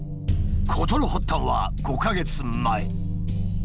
事の発端は５か月前。